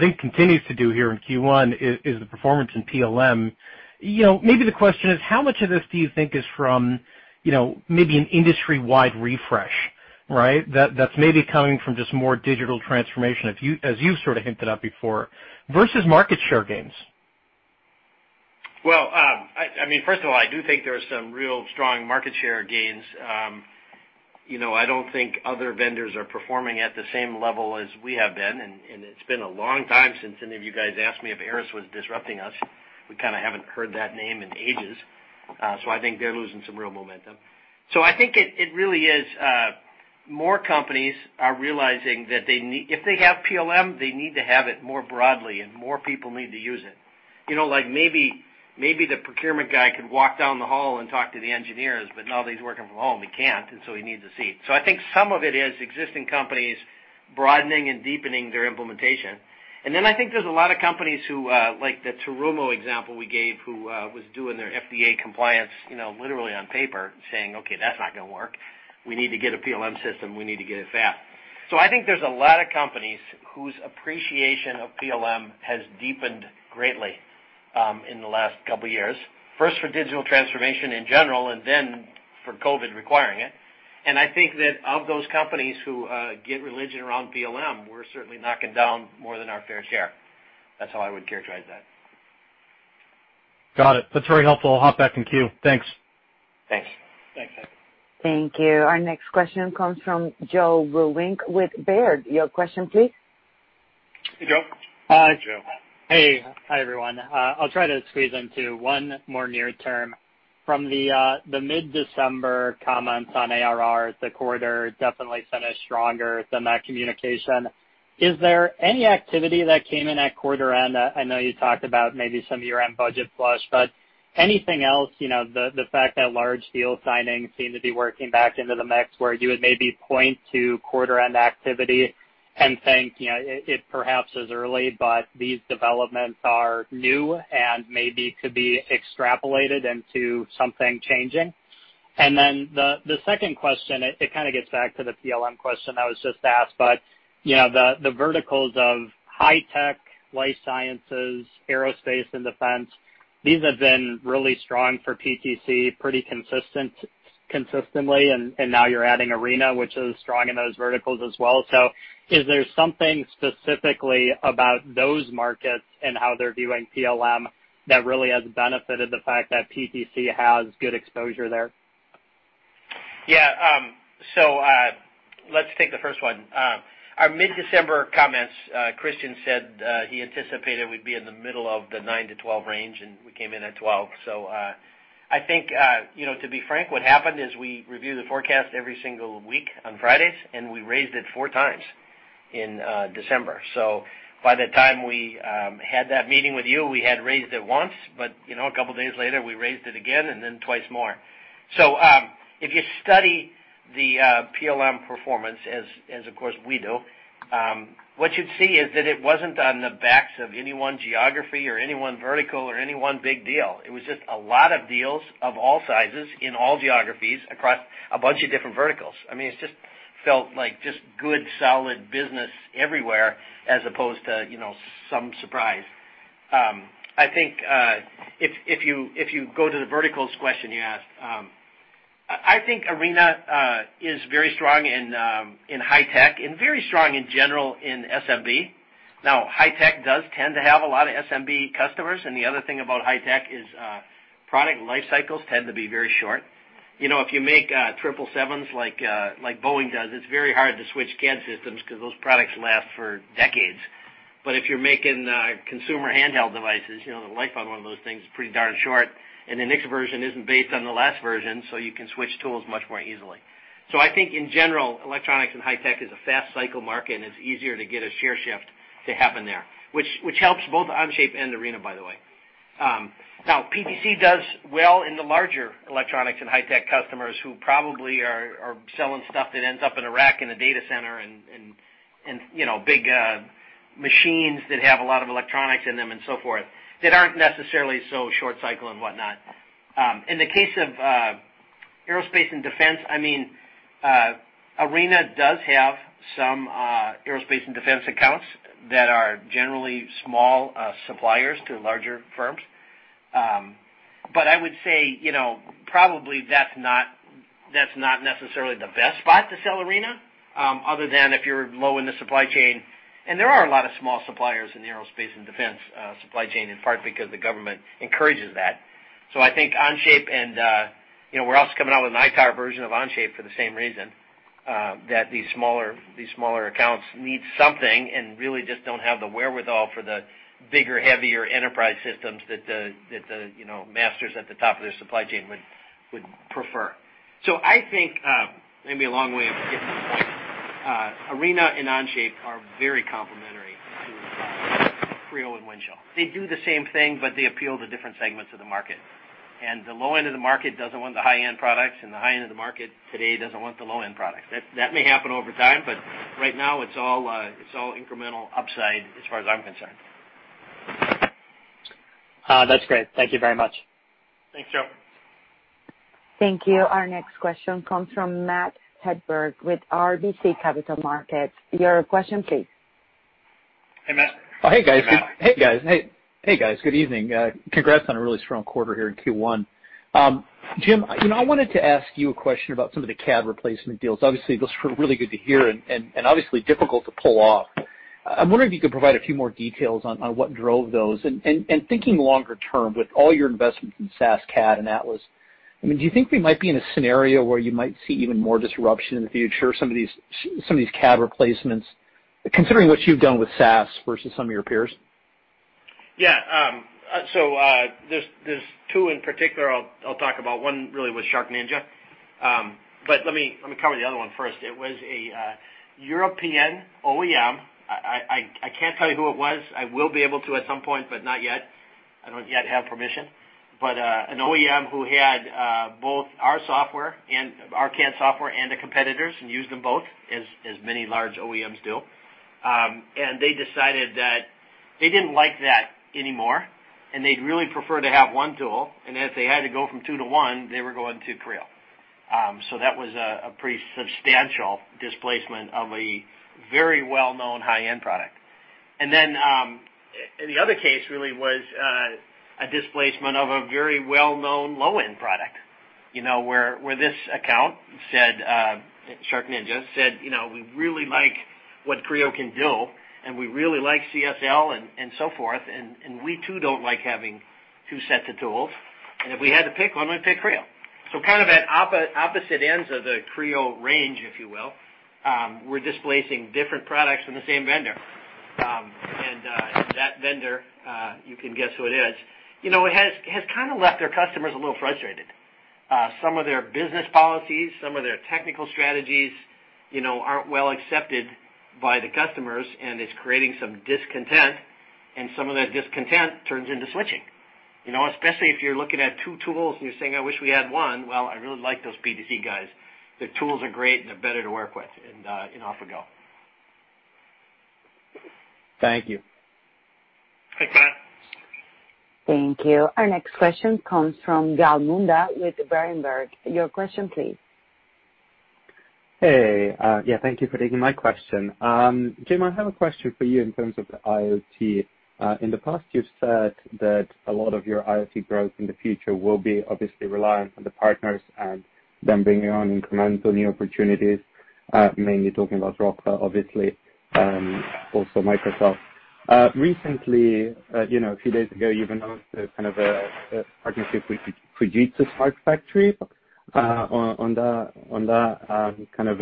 think continues to do here in Q1, is the performance in PLM. Maybe the question is how much of this do you think is from maybe an industry-wide refresh, right? That's maybe coming from just more digital transformation as you sort of hinted at before, versus market share gains. First of all, I do think there are some real strong market share gains. I don't think other vendors are performing at the same level as we have been, and it's been a long time since any of you guys asked me if Aras was disrupting us. We kind of haven't heard that name in ages. I think they're losing some real momentum. I think it really is more companies are realizing that if they have PLM, they need to have it more broadly, and more people need to use it. Like maybe the procurement guy could walk down the hall and talk to the engineers, but now that he's working from home, he can't, and so he needs a seat. I think some of it is existing companies broadening and deepening their implementation. I think there's a lot of companies who, like the Terumo example we gave, who was doing their FDA compliance literally on paper, saying, "Okay, that's not going to work. We need to get a PLM system, we need to get it fast." I think there's a lot of companies whose appreciation of PLM has deepened greatly in the last couple of years, first for digital transformation in general, and then for COVID requiring it. I think that of those companies who get religion around PLM, we're certainly knocking down more than our fair share. That's how I would characterize that. Got it. That's very helpful. I'll hop back in queue. Thanks. Thanks. Thanks. Thank you. Our next question comes from Joe Vruwink with Baird. Your question, please. Hey, Joe. Hi, Joe. Hey. Hi, everyone. I'll try to squeeze into one more near term. From the mid-December comments on ARR, the quarter definitely finished stronger than that communication. Is there any activity that came in at quarter end? I know you talked about maybe some year-end budget flush. Anything else? The fact that large deal signings seem to be working back into the mix where you would maybe point to quarter end activity and think it perhaps is early. These developments are new and maybe could be extrapolated into something changing. The second question, it kind of gets back to the PLM question that was just asked, but the verticals of high tech, life sciences, aerospace, and defense, these have been really strong for PTC, pretty consistently, and now you're adding Arena, which is strong in those verticals as well. Is there something specifically about those markets and how they're viewing PLM that really has benefited the fact that PTC has good exposure there? Yeah. Let's take the first one. Our mid-December comments, Kristian said he anticipated we'd be in the middle of the 9-12 range, and we came in at 12. I think, to be frank, what happened is we review the forecast every single week on Fridays, and we raised it four times in December. By the time we had that meeting with you, we had raised it once, but a couple of days later we raised it again, and then twice more. If you study the PLM performance, as of course we do, what you'd see is that it wasn't on the backs of any one geography or any one vertical or any one big deal. It was just a lot of deals of all sizes in all geographies across a bunch of different verticals. It just felt like just good solid business everywhere as opposed to some surprise. I think, if you go to the verticals question you asked, I think Arena is very strong in high tech and very strong in general in SMB. Now, high tech does tend to have a lot of SMB customers, and the other thing about high tech is product life cycles tend to be very short. If you're making triple sevens like Boeing does, it's very hard to switch CAD systems because those products last for decades. If you're making consumer handheld devices, the life on one of those things is pretty darn short, and the next version isn't based on the last version, so you can switch tools much more easily. I think in general, electronics and high tech is a fast cycle market, and it's easier to get a share shift to happen there, which helps both Onshape and Arena, by the way. PTC does well in the larger electronics and high tech customers who probably are selling stuff that ends up in a rack in a data center and big machines that have a lot of electronics in them and so forth, that aren't necessarily so short cycle and whatnot. In the case of aerospace and defense, Arena does have some aerospace and defense accounts that are generally small suppliers to larger firms. I would say, probably that's not necessarily the best spot to sell Arena, other than if you're low in the supply chain. There are a lot of small suppliers in the aerospace and defense supply chain, in part because the government encourages that. I think we're also coming out with an ITAR version of Onshape for the same reason, that these smaller accounts need something and really just don't have the wherewithal for the bigger, heavier enterprise systems that the masters at the top of their supply chain would prefer. I think maybe a long way of getting to the point. Arena and Onshape are very complementary to Creo and Windchill. They do the same thing, but they appeal to different segments of the market. The low end of the market doesn't want the high-end products, and the high end of the market today doesn't want the low-end products. That may happen over time, but right now it's all incremental upside as far as I'm concerned. That's great. Thank you very much. Thanks, Joe. Thank you. Our next question comes from Matt Hedberg with RBC Capital Markets. Your question please. Hey, Matt. Hey, guys. Good evening. Congrats on a really strong quarter here in Q1. Jim, I wanted to ask you a question about some of the CAD replacement deals. Obviously, those were really good to hear and obviously difficult to pull off. I'm wondering if you could provide a few more details on what drove those. Thinking longer term with all your investments in SaaS CAD and Atlas, do you think we might be in a scenario where you might see even more disruption in the future, some of these CAD replacements, considering what you've done with SaaS versus some of your peers? Yeah. There's two in particular I'll talk about. One really was SharkNinja. Let me cover the other one first. It was a European OEM. I can't tell you who it was. I will be able to at some point, but not yet. I don't yet have permission. An OEM who had both our CAD software and a competitor's, and used them both, as many large OEMs do. They decided that they didn't like that anymore, and they'd really prefer to have one tool, and if they had to go from two to one, they were going to Creo. That was a pretty substantial displacement of a very well-known high-end product. The other case really was a displacement of a very well-known low-end product. Where this account, SharkNinja, said, "We really like what Creo can do, and we really like CSL and so forth, and we too don't like having two sets of tools." If we had to pick one, we'd pick Creo. Kind of at opposite ends of the Creo range, if you will, we're displacing different products from the same vendor. That vendor, you can guess who it is, has kind of left their customers a little frustrated. Some of their business policies, some of their technical strategies aren't well accepted by the customers, and it's creating some discontent, and some of that discontent turns into switching. Especially if you're looking at two tools and you're saying, "I wish we had one." Well, I really like those PTC guys. Their tools are great, and they're better to work with, and off we go. Thank you. Thanks, Matt. Thank you. Our next question comes from Gal Munda with Berenberg. Your question please. Hey. Yeah, thank you for taking my question. Jim, I have a question for you in terms of the IoT. In the past, you've said that a lot of your IoT growth in the future will be obviously reliant on the partners and them bringing on incremental new opportunities, mainly talking about Rockwell, obviously, also Microsoft. Recently, a few days ago, you've announced a kind of a partnership with Fujitsu's Smart Factory on that kind of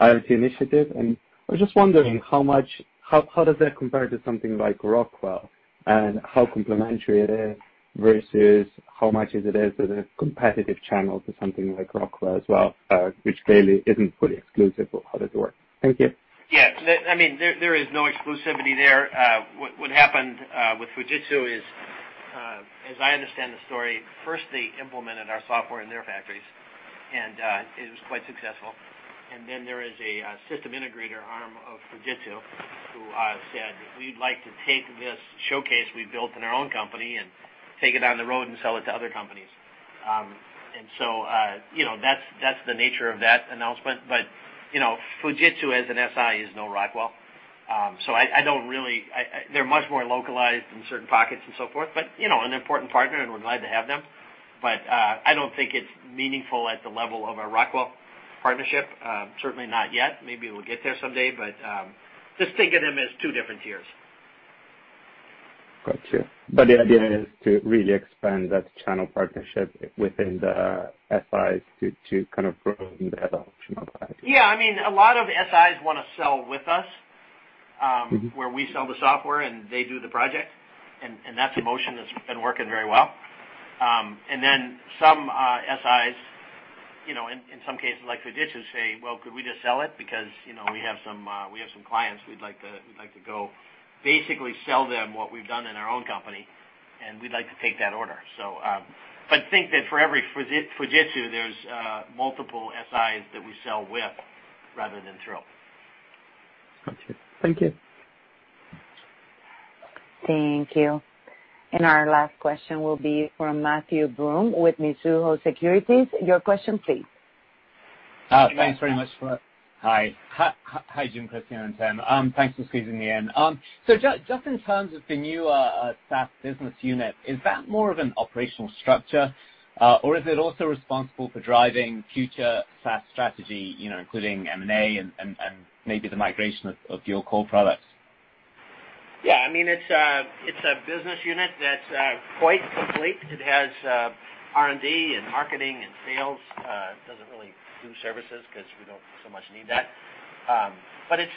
IoT initiative. I was just wondering, how does that compare to something like Rockwell, and how complementary it is versus how much is it as a competitive channel to something like Rockwell as well, which clearly isn't fully exclusive, or how does it work? Thank you. Yeah. There is no exclusivity there. As I understand the story, first they implemented our software in their factories, and it was quite successful. There is a system integrator arm of Fujitsu who said, "We'd like to take this showcase we built in our own company and take it on the road and sell it to other companies." That's the nature of that announcement. Fujitsu as an SI is no Rockwell. They're much more localized in certain pockets and so forth, an important partner, we're glad to have them. I don't think it's meaningful at the level of our Rockwell partnership. Certainly not yet. Maybe we'll get there someday, just think of them as two different tiers. Got you. The idea is to really expand that channel partnership within the SIs to kind of grow in that option otherwise. A lot of SIs want to sell with us. Where we sell the software, and they do the project, and that's a motion that's been working very well. Then some SIs, in some cases like Fujitsu, say, "Well, could we just sell it? Because we have some clients we'd like to go basically sell them what we've done in our own company, and we'd like to take that order." Think that for every Fujitsu, there's multiple SIs that we sell with rather than through. Got you. Thank you. Thank you. Our last question will be from Matthew Broome with Mizuho Securities. Your question please. Thanks very much. Hi, Jim, Kristian, and Tim. Thanks for squeezing me in. Just in terms of the new SaaS business unit, is that more of an operational structure, or is it also responsible for driving future SaaS strategy, including M&A and maybe the migration of your core products? Yeah. It's a business unit that's quite complete. It has R&D and marketing and sales. It doesn't really do services because we don't so much need that.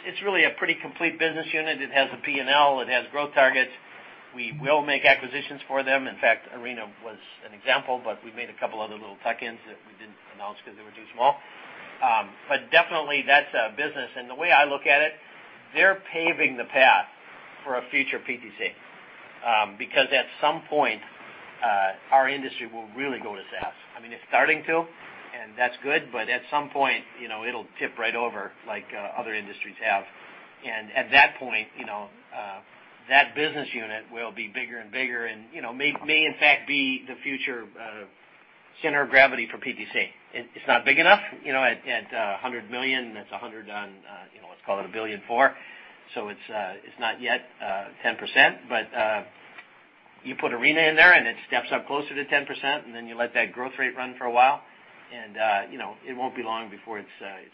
It's really a pretty complete business unit. It has a P&L. It has growth targets. We will make acquisitions for them. In fact, Arena was an example, but we made a couple other little tuck-ins that we didn't announce because they were too small. Definitely, that's a business. The way I look at it, they're paving the path for a future PTC. At some point, our industry will really go to SaaS. It's starting to, and that's good, but at some point, it'll tip right over like other industries have. At that point, that business unit will be bigger and bigger and may, in fact, be the future center of gravity for PTC. It's not big enough. At $100 million, that's 100 on, let's call it $1.4 billion. It's not yet 10%, but you put Arena in there and it steps up closer to 10%, and then you let that growth rate run for a while, and it won't be long before it's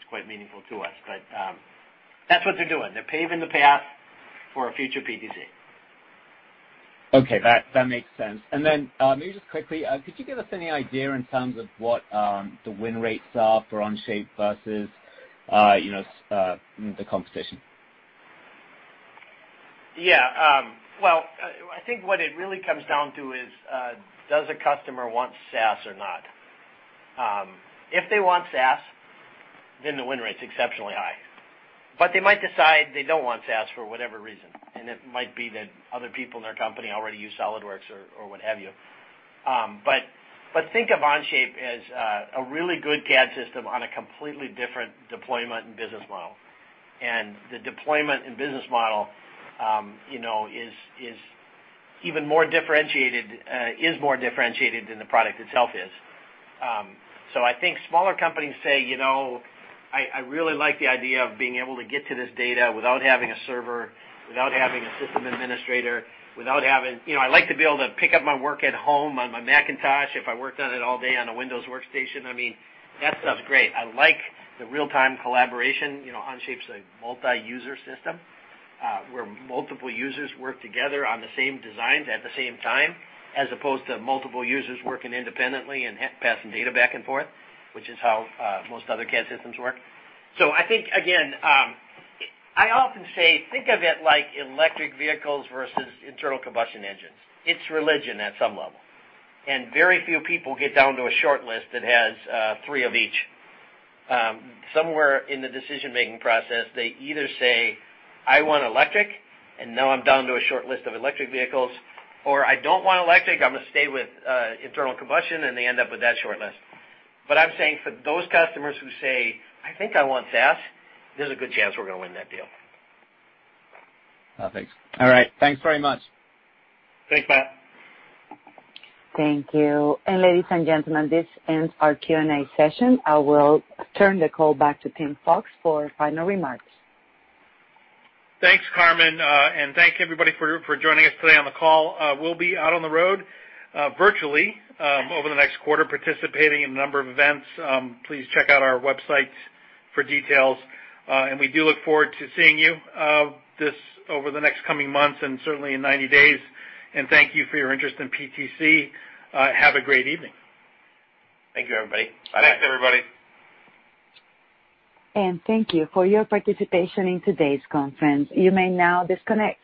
quite meaningful to us. That's what they're doing. They're paving the path for a future PTC. Okay. That makes sense. Maybe just quickly, could you give us any idea in terms of what the win rates are for Onshape versus the competition? Yeah. Well, I think what it really comes down to is, does a customer want SaaS or not? If they want SaaS, the win rate's exceptionally high. They might decide they don't want SaaS for whatever reason, and it might be that other people in their company already use SOLIDWORKS or what have you. Think of Onshape as a really good CAD system on a completely different deployment and business model. The deployment and business model is more differentiated than the product itself is. I think smaller companies say, "I really like the idea of being able to get to this data without having a server, without having a system administrator, I like to be able to pick up my work at home on my Macintosh if I worked on it all day on a Windows workstation. That stuff's great. I like the real-time collaboration." Onshape's a multi-user system, where multiple users work together on the same designs at the same time, as opposed to multiple users working independently and passing data back and forth, which is how most other CAD systems work. I think, again, I often say, think of it like electric vehicles versus internal combustion engines. It's religion at some level. Very few people get down to a shortlist that has three of each. Somewhere in the decision-making process, they either say, "I want electric, and now I'm down to a shortlist of electric vehicles," or, "I don't want electric. I'm going to stay with internal combustion," and they end up with that shortlist. I'm saying for those customers who say, "I think I want SaaS," there's a good chance we're going to win that deal. Perfect. All right. Thanks very much. Thanks, Matt. Thank you. Ladies and gentlemen, this ends our Q&A session. I will turn the call back to Tim Fox for final remarks. Thanks, Carmen. Thank everybody for joining us today on the call. We'll be out on the road virtually over the next quarter, participating in a number of events. Please check out our website for details. We do look forward to seeing you over the next coming months and certainly in 90 days. Thank you for your interest in PTC. Have a great evening. Thank you, everybody. Bye now. Thanks, everybody. And thank you for your participation in today's conference. You may now disconnect.